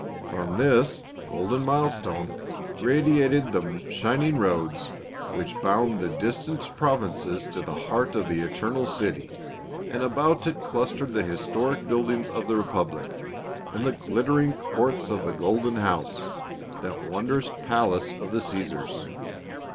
From this " Golden Milestone" radi ated the shining roads which bound the distant prov inces to the heart of the Eternal City, and about it clustered the historic buildings of the republic, and the glittering courts of the "Golden House," that won drous palace of the Caesars.